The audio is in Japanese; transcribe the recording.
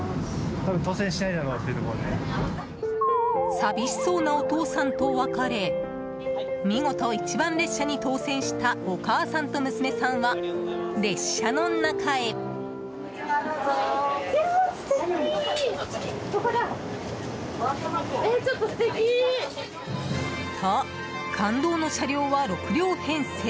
寂しそうなお父さんと別れ見事、１番列車に当選したお母さんと娘さんは列車の中へ。と、感動の車両は６両編成。